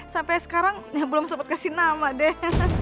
sampai sekarang yang belum sempat kasih nama deh